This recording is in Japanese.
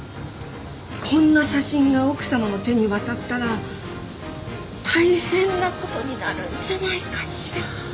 こんな写真が奥さまの手に渡ったら大変なことになるんじゃないかしら。